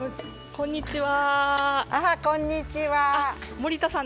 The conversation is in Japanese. こんにちは。